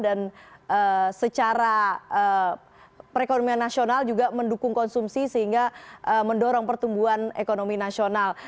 dan secara perekonomian nasional juga mendukung konsumsi sehingga mendorong pertumbuhan ekonomi nasional